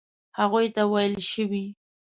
هغوی ته ویل شوي.